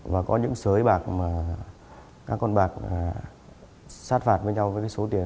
và có những sới bạc mà các con bạc sát phạt với nhau với cái số tiền